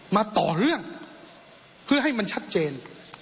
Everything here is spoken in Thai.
มาต่อเรื่องเพื่อให้มันชัดเจน